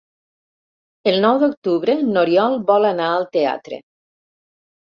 El nou d'octubre n'Oriol vol anar al teatre.